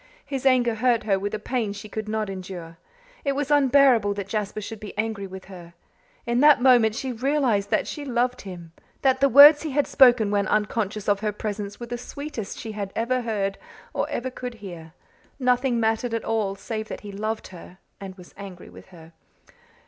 His anger hurt her with a pain she could not endure. It was unbearable that Jasper should be angry with her. In that moment she realized that she loved him that the words he had spoken when unconscious of her presence were the sweetest she had ever heard, or ever could hear. Nothing mattered at all, save that he loved her and was angry with her.